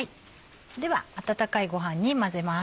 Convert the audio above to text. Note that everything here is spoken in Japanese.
では温かいごはんに混ぜます。